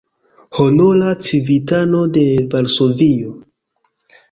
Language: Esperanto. Honora civitano de Varsovio.